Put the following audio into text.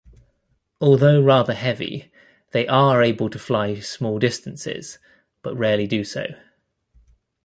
Although rather heavy, they are able to fly small distances but rarely do so.